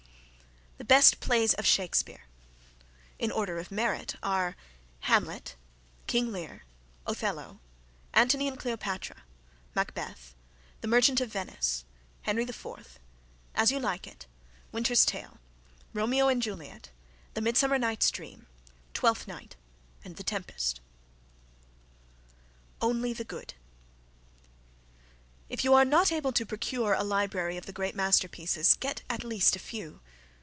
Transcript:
BEST PLAYS OF SHAKESPEARE In order of merit are: Hamlet, King Lear, Othello, Antony and Cleopatra, Macbeth, Merchant of Venice, Henry IV, As You Like It, Winter's Tale, Romeo and Juliet, Midsummer Night's Dream, Twelfth Night, Tempest. ONLY THE GOOD If you are not able to procure a library of the great masterpieces, get at least a few.